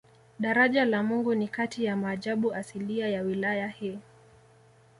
Daraja la Mungu ni kati ya maajabu asilia ya wilaya hii